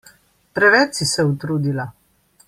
Preveč si se utrudila!